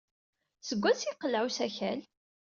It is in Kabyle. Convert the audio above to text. Seg wansi ay iqelleɛ usakal?